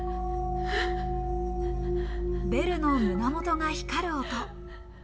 ベルの胸元が光る音。